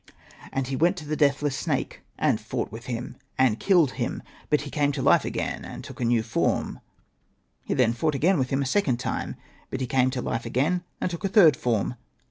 And he went to the deathless snake, and fought with Hosted by Google AHURA'S TALE 99 him, and killed him ; but he came to life again, and took a new form. He then fought again with him a second time ; but he came to life again, and took a third form.